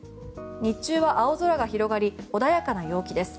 日中は青空が広がり穏やかな陽気です。